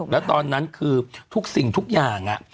แล้วตอนนั้นคือทุกสิ่งทุกอย่าง